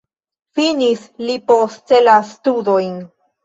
Finis li poste la studojn.